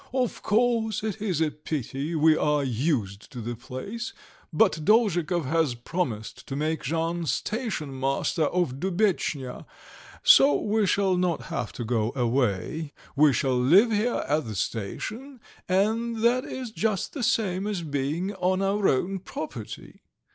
Of course, it is a pity, we are used to the place, but Dolzhikov has promised to make Jean stationmaster of Dubetchnya, so we shall not have to go away; we shall live here at the station, and that is just the same as being on our own property!